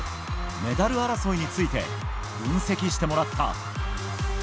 メダル争いについて分析してもらった。